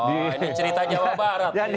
ini cerita jawa barat